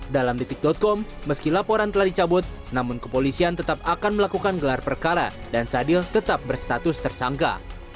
dalam detik com meski laporan telah dicabut namun kepolisian tetap akan melakukan gelar perkara dan sadil tetap berstatus tersangka